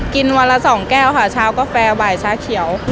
วันละ๒แก้วค่ะเช้ากาแฟบ่ายชาเขียว